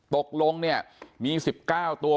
ตกลงมี๑๙ตัว